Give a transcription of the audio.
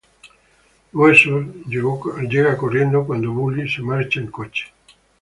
Huesos llega corriendo cuando Bully se marcha en coche.